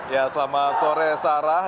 ya selamat sore sarah